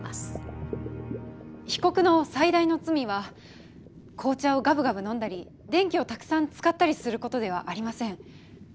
被告の最大の罪は紅茶をがぶがぶ飲んだり電気をたくさん使ったりすることではありません。